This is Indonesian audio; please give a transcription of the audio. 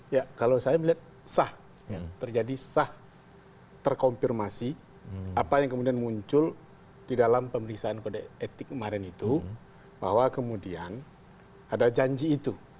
ya kalau saya melihat sah terjadi sah terkonfirmasi apa yang kemudian muncul di dalam pemeriksaan kode etik kemarin itu bahwa kemudian ada janji itu